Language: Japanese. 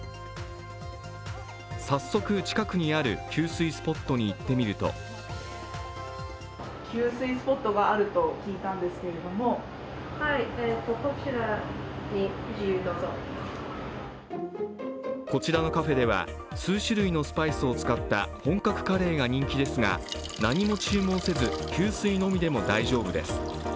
早速、近くにある給水スポットに行ってみるとこちらのカフェでは数種類のスパイスを使った本格カレーが人気ですが何も注文せず、給水のみでも大丈夫です。